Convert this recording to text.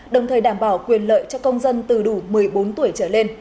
đồng thời đảm bảo quyền lợi cho công dân từ đủ một mươi bốn tuổi trở lên